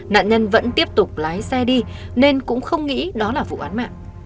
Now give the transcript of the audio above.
nạn nhân vẫn tiếp tục lái xe đi nên cũng không nghĩ đó là vụ án mạng